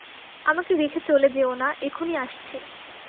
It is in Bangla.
আমাকে রেখে চলে যেও না, এখুনি আসছি।